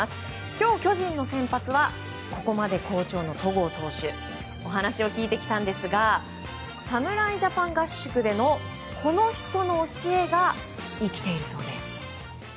今日、巨人の先発はここまで好調の戸郷投手お話を聞いてきたんですが侍ジャパン合宿でのこの人の教えが生きているそうです。